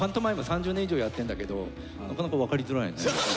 ３０年以上やってんだけどなかなか分かりづらいね。